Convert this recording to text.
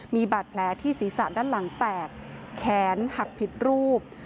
มีบาดแผลที่ศีรษะด้านหลังแตกแขนหักผิดรูป